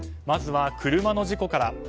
まずは車の事故から。